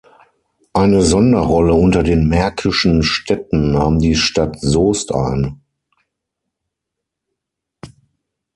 Eine Sonderrolle unter den märkischen Städten nahm die Stadt Soest ein.